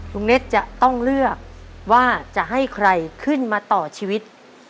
เน็ตจะต้องเลือกว่าจะให้ใครขึ้นมาต่อชีวิต